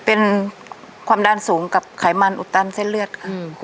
เป็นความดันสูงกับไขมันอุดตันเส้นเลือดอืม